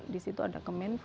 di situ ada